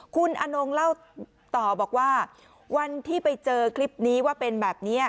คุณอนงเล่าต่อบอกว่าวันที่ไปเจอคลิปนี้ว่าเป็นแบบนี้